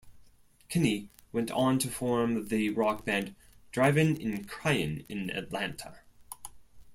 Kinney went on to form the rock band Drivin' N' Cryin' in Atlanta.